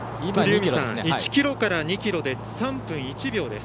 １ｋｍから２ｋｍで３分１秒です。